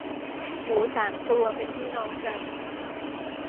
หมูสามตัว เป็นพี่น้องกัน